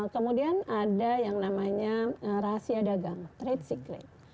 kemudian ada yang namanya rahasia dagang trade secling